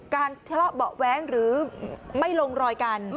ทะเลาะเบาะแว้งหรือไม่ลงรอยกัน